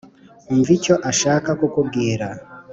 umva icyo ashaka kukubwira